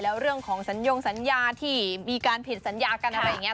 แล้วเรื่องของสัญญงสัญญาที่มีการผิดสัญญากันอะไรอย่างนี้